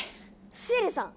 シエリさん！